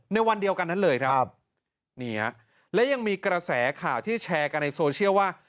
ในวันเดียวกันนั้นเลยครับนี่ฮะและยังมีกระแสข่าวที่แชร์กันในโซเชียลว่า